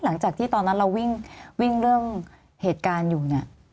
หลังจากที่ตอนนั้นเราวิ่งเรื่องเหตุการณ์อยู่เนี่ย